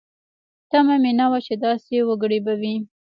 تمه مې نه وه چې داسې وګړي به وي.